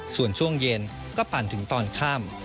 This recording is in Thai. ส่วนช่วงเย็นก็ปั่นถึงตอนค่ำ